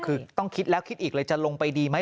คือต้องคิดแล้วคิดอีกเลยจะลงไปดีไหม